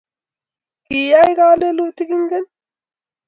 Kiyai kalelutik ingen?